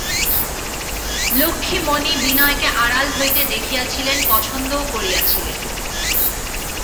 লক্ষ্ণীমণি বিনয়কে আড়াল হইতে দেখিয়াছিলেন, পছন্দও করিয়াছিলেন।